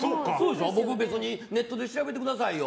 僕、別にネットで調べてくださいよ。